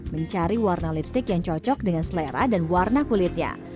mencari warna lipstick yang cocok dengan selera dan warna kulitnya